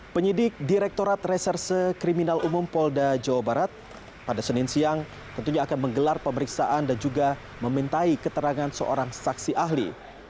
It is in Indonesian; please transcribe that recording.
penyidik direktorat reserse kriminal umum polda jawa barat pada senin siang tentunya akan menggelar pemeriksaan dan juga memintai keterangan seorang saksi ahli